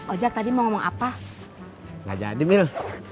oja tadi mau ngomong apa nggak jadi mil